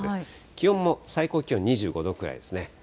気温も最高気温２５度くらいですね。